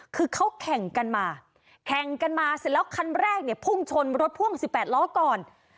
คือเขาแข่งกันมาแข่งกันมาเสร็จแล้วคันแรกเนี่ยพุ่งชนรถพ่วง๑๘ล้อก่อน